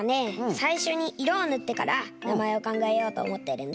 さいしょにいろをぬってからなまえをかんがえようとおもってるんだ。